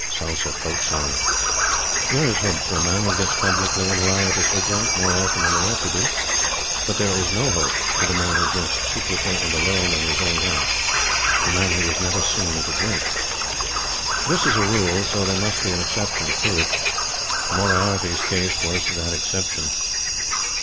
Salsette Boat Song. There is hope for a man who gets publicly and riotously drunk more often that he ought to do; but there is no hope for the man who drinks secretly and alone in his own house the man who is never seen to drink. This is a rule; so there must be an exception to prove it. Moriarty's case was that exception.